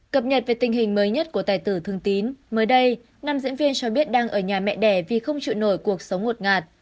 cập nhật về tình hình mới nhất của tài tử thường tín mới đây năm diễn viên cho biết đang ở nhà mẹ đẻ vì không chịu nổi cuộc sống ngột ngạt